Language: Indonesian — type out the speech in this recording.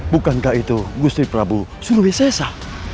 bukankah itu gustri prabu sulwisesa